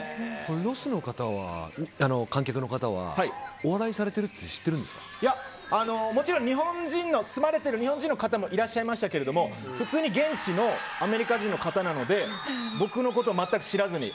ロスの観客の方はお笑いされてるってもちろん住まれてる日本人の方もいらっしゃいましたけれども普通の現地のアメリカ人の方なので僕のことを全く知らずに。